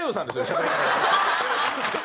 しゃべり方が。